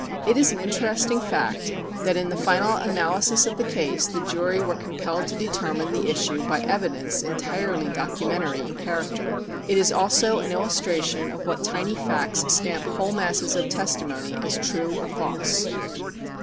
It is an interesting fact that in the final analysis of the case the jury were compelled to determine the issue by evidence entirely documentary in character. It is also an illustration of what tiny facts stamp whole masses of testimony as true or false.